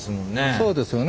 そうですよね。